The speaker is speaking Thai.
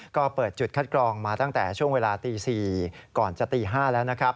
ก็เปิดจุดคัดกรองมาตั้งแต่ช่วงเวลาตี๔ก่อนจะตี๕แล้วนะครับ